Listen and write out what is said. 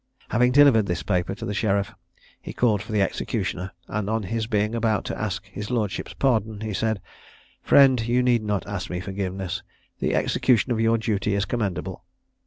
Having delivered this paper to the sheriff, he called for the executioner, and on his being about to ask his lordship's pardon, he said, "Friend, you need not ask me forgiveness, the execution of your duty is commendable."